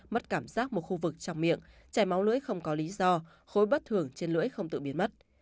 mất cảm giác một khu vực trong miệng chảy máu lưỡi không có lý do khối bất thường trên lưỡi không tự biến mất